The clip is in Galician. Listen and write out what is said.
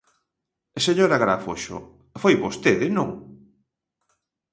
Señora Agrafoxo, ¿foi vostede, non?